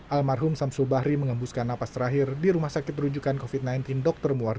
almarhum samsul bahri mengembuskan napas terakhir di rumah sakit rujukan covid sembilan belas dr muardo